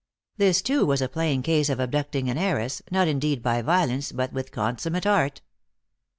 This, too, was a plain case of abducting an heiress, not in deed by violence, but with consummate art.